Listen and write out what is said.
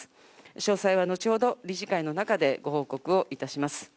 詳細は後ほど理事会の中でご報告をいたします。